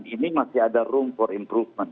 oke dan ini masih ada room for improvement